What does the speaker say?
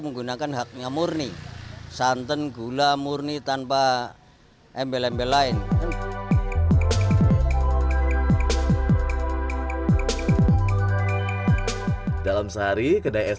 menggunakan haknya murni santan gula murni tanpa embel embel lain dalam sehari kedai es